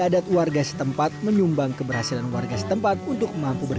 laban semangat untuk wabahima yang diattutto men republican miliar and join us the one united